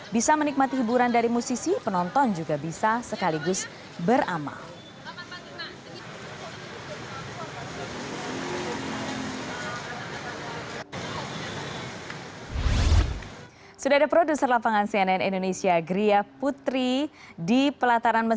bisa menikmati hiburan dari musisi penonton juga bisa sekaligus beramal